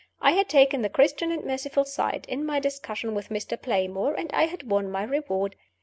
I had taken the Christian and merciful side in my discussion with Mr. Playmore; and I had won my reward.